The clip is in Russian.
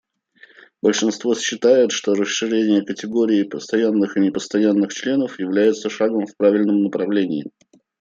Большинство считает, что расширение категории постоянных и непостоянных членов является шагом в правильном направлении.